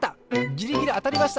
ギリギリあたりました。